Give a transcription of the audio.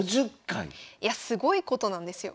いやすごいことなんですよ。